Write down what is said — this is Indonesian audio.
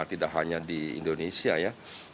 tidak hanya di indonesia ya